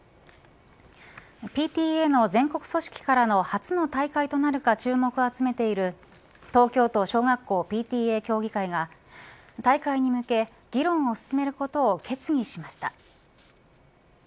ＰＴＡの全国組織からの初の退会となるか注目を集めている東京都小学校ＰＴＡ協議会が退会に向け議論を進めることを決議しました。